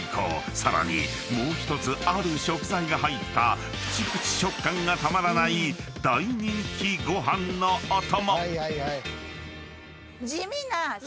［さらにもう１つある食材が入ったプチプチ食感がたまらない大人気ご飯のお供］